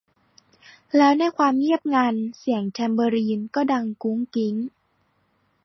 แล้ว ในความเงียบงัน เสียงแทมเบอรีนก็ดังกุ๊งกิ๊ง